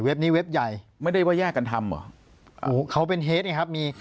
เว็บนี้เว็บใหญ่ไม่ได้ว่าแยกกันทำเขาเป็นเฮสนะครับมี